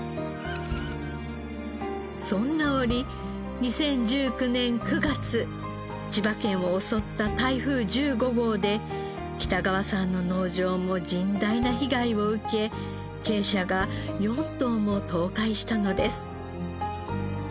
そんな折２０１９年９月千葉県を襲った台風１５号で北川さんの農場も甚大な被害を受け鶏舎が４棟も倒壊したのです。